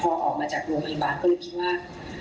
พอออกมาจากโรงพยาบาลก็เลยคิดว่า